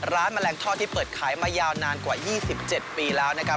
แมลงทอดที่เปิดขายมายาวนานกว่า๒๗ปีแล้วนะครับ